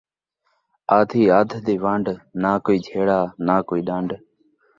آدھی ادھ دی ون٘ڈ ، نہ کوئی جھیڑا نہ کوئی ݙن٘ڈ